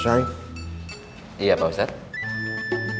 saksinya sudah almarhum